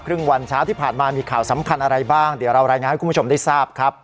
วันเช้าที่ผ่านมามีข่าวสำคัญอะไรบ้างเดี๋ยวเรารายงานให้คุณผู้ชมได้ทราบครับ